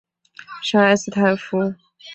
圣埃斯泰夫。